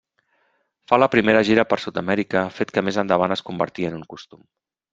Fa la primera gira per Sud-amèrica, fet que més endavant es convertí en un costum.